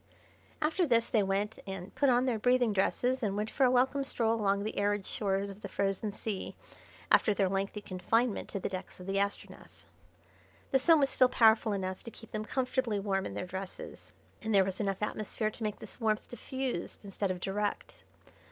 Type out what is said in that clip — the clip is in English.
After this they went and put on their breathing dresses and went for a welcome stroll along the arid shores of the frozen sea after their lengthy confinement to the decks of the Astronef. The Sun was still powerful enough to keep them comfortably warm in their dresses, and there was enough atmosphere to make this warmth diffused instead of direct.